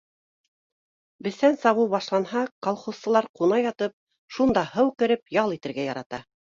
Бесән сабыу башланһа, колхозсылар, ҡуна ятып, шунда һыу кереп, ял итергә ярата